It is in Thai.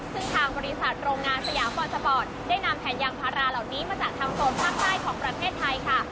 ซึ่งทางบริษัทโรงงานสยามบอลสปอร์ตได้นำแผ่นยางพาราเหล่านี้มาจากทางโซนภาคใต้ของประเทศไทยค่ะ